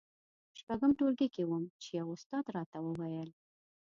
په شپږم ټولګي کې وم چې يوه استاد راته وويل.